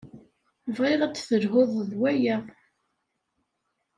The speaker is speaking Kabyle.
Bɣiɣ ad d-telhuḍ d waya.